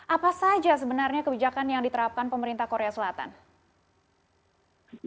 apa saja sebenarnya kebijakan yang diterapkan pemerintah korea selatan